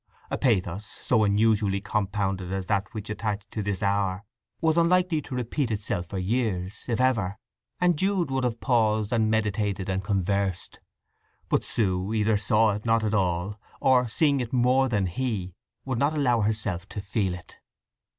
A pathos so unusually compounded as that which attached to this hour was unlikely to repeat itself for years, if ever, and Jude would have paused, and meditated, and conversed. But Sue either saw it not at all, or, seeing it more than he, would not allow herself to feel it.